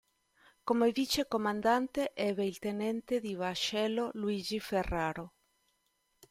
Come vice comandante ebbe il tenente di vascello Luigi Ferraro.